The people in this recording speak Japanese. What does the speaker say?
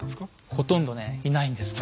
ほとんどねいないんですね。